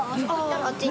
あっちに。